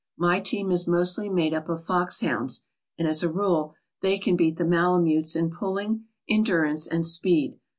My team is mostly made up of fox hounds, and, as a rule, they can beat the malamutes in pulling, endurance, and speed.